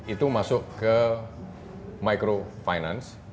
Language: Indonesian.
itu masuk ke micro finance